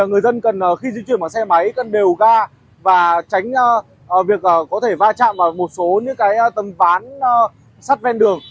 người dân cần khi di chuyển bằng xe máy cân đều ga và tránh việc có thể va chạm vào một số những tầm ván sắt ven đường